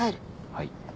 はい。